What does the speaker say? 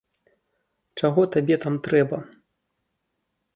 Чаго табе там трэба?